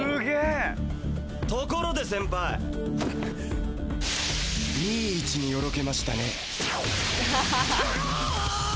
ところで先輩いい位置によろけましたね。